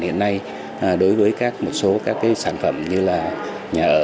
hiện nay đối với các một số các sản phẩm như là nhà ở